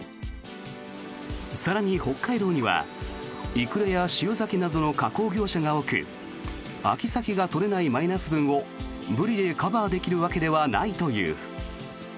更に、北海道にはイクラや塩ザケなどの加工業者が多く秋サケが取れないマイナス分をブリでカバーできるわけではないという。